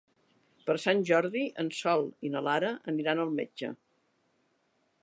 Per Sant Jordi en Sol i na Lara aniran al metge.